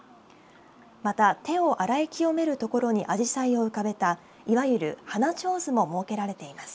また、手を洗い清める所にあじさいを浮かべたいわゆる花手水も設けられています。